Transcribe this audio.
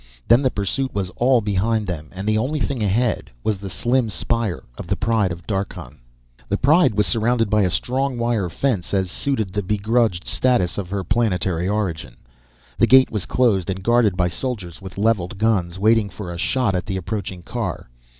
Then the pursuit was all behind them and the only thing ahead was the slim spire of the Pride of Darkhan. The Pride was surrounded by a strong wire fence as suited the begrudged status of her planetary origin. The gate was closed and guarded by soldiers with leveled guns, waiting for a shot at the approaching car.